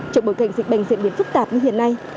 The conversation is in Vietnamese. trong bối cảnh dịch bệnh diễn biến phức tạp như hiện nay